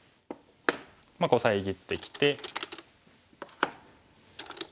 こう遮ってきて。